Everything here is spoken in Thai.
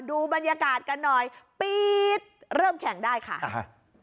ดูบรรยากาศกันหน่อยปี๊ดเริ่มแข่งได้ค่ะอ่าฮะ